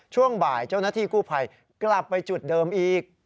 ช่วงบ่ายเจ้าหน้าที่กู้ภัยกลับไปจุดเดิมอีก